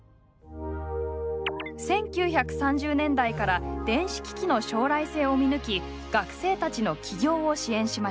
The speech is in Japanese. １９３０年代から電子機器の将来性を見抜き学生たちの起業を支援しました。